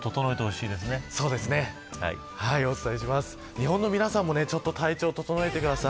日本の皆さんも体調を整えてください。